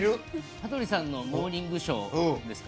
羽鳥さんの「モーニングショー」ですか。